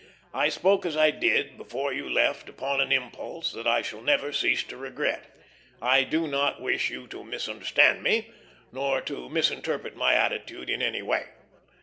I spoke as I did before you left upon an impulse that I shall never cease to regret. I do not wish you to misunderstand me, nor to misinterpret my attitude in any way.